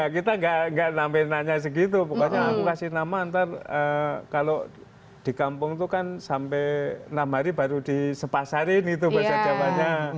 kita nggak nampen nanya segitu pokoknya aku kasih nama nanti kalau di kampung itu kan sampai enam hari baru disepasarin itu bahasa jawanya